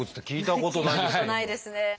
聞いたことないですね。